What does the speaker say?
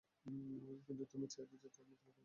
কিন্তু তুমি চাইবে যে আমি তোমাকে মেরে ফেলি।